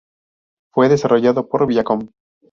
Fue desarrollado por Viacom.